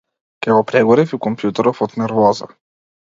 Ќе го прегорев и компјутеров од нервоза!